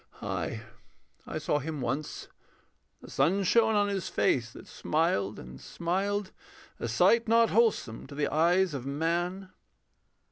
Ay, I saw him once. The sun shone on his face, that smiled and smiled, A sight not wholesome to the eyes of man.